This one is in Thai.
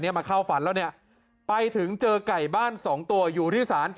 เนี่ยมาเข้าฝันแล้วเนี่ยไปถึงเจอกร่ายบ้านสองตัวอยู่ที่ศาล